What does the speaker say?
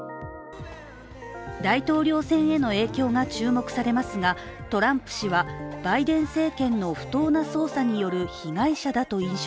大統領選への影響が注目されますがトランプ氏は、バイデン政権の不当な捜査による被害者だと印象